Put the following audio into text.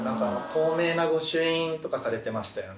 透明な御朱印とかされてましたよね